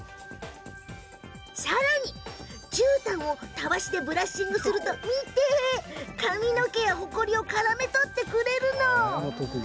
さらに、じゅうたんをたわしでブラッシングすると髪の毛やほこりを絡め取ってくれるの。